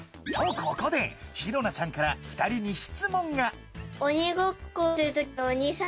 とここでひろなちゃんから２人に質問が鬼ごっこをするとき